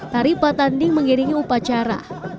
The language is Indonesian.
taripa tanding mengiringi upacara